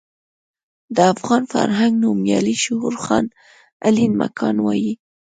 د افغان فرهنګ نومیالی شعور خان علين مکان وايي.